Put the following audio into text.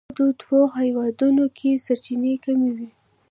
په یادو دوو هېوادونو کې سرچینې کمې وې.